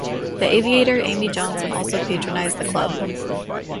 The aviator Amy Johnson also patronised the club.